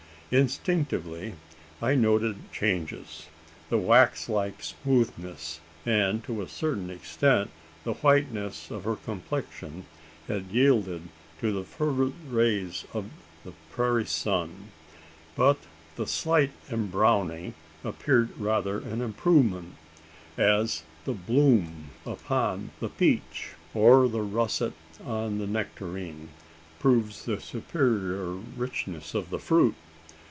Instinctively, I noted changes. The wax like smoothness, and, to a certain extent, the whiteness of her complexion, had yielded to the fervid rays of the prairie sun; but the slight embrowning appeared rather an improvement: as the bloom upon the peach, or the russet on the nectarine, proves the superior richness of the fruit.